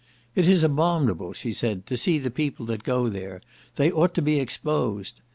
"It is abominable," she said, "to see the people that go there; they ought to be exposed.